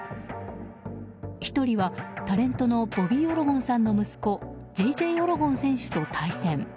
１人はタレントのボビー・オロゴンさんの息子ジェイジェイ・オロゴン選手と対戦。